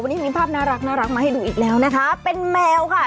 วันนี้มีภาพน่ารักมาให้ดูอีกแล้วนะคะเป็นแมวค่ะ